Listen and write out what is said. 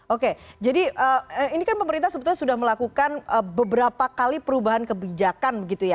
oke jadi ini kan pemerintah sebetulnya sudah melakukan beberapa kali perubahan kebijakan begitu ya